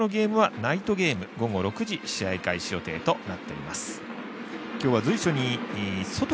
巨人とヤクルトのゲームはナイトゲーム午後６時試合開始予定となっています。